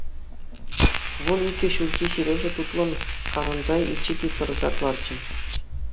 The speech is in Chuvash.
Вун икӗ ҫулхи Сережа тутлӑн карӑнса илчӗ те тӑрса ларчӗ.